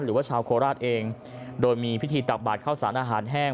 หรือว่าชาวโคราชเองโดยมีพิธีตักบาดเข้าสารอาหารแห้ง